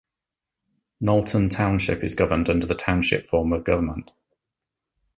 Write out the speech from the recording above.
Knowlton Township is governed under the Township form of government.